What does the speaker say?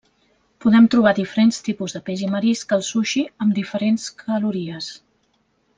Podem trobar diferents tipus de peix i marisc al sushi amb diferents calories.